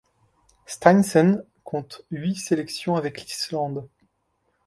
Steinsen compte huit sélections avec l'Islande.